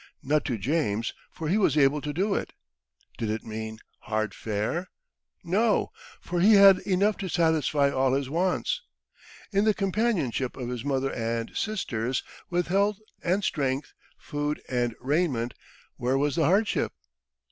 Not to James, for he was able to do it. Did it mean hard fare? No, for he had enough to satisfy all his wants. In the companionship of his mother and sisters, with health and strength, food and raiment, where was the hardship?